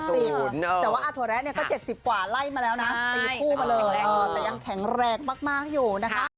แต่ว่าอาถั่วแระเนี่ยก็๗๐กว่าไล่มาแล้วนะตีคู่มาเลยแต่ยังแข็งแรงมากอยู่นะคะ